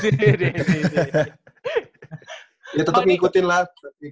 iya tetep ngikutin lah